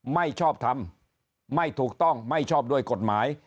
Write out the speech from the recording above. ไม่ชอบทำไม่ถูกต้องไม่ชอบด้วยกฎหมาย